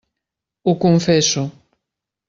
Ho confesso.